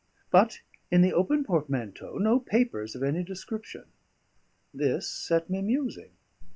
But in the open portmanteau, no papers of any description. This set me musing.